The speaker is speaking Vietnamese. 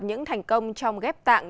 những thành công trong ghép tạng